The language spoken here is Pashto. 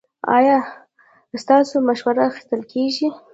ایا ستاسو مشوره اخیستل کیږي؟